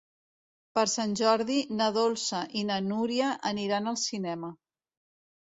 Per Sant Jordi na Dolça i na Núria aniran al cinema.